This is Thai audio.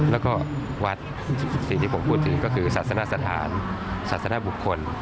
แล้วก็วัดสิ่งที่ผมพูดถึงก็คือศาสนสถานศาสนบุคคล